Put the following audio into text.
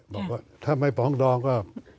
บอกว่าถ้าไม่ปองดองก็